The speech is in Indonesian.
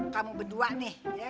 kamu berdua nih